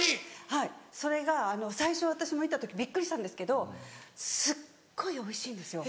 はいそれが最初は私も見た時びっくりしたんですけどすっごいおいしいんですよ。